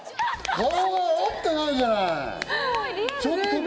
顔を覆ってないじゃない。